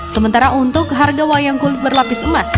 sementara untuk harga wayang kulit berlapis emas